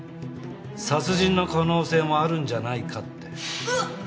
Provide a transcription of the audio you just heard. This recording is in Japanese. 殺人の可能性もあるんじゃないかって。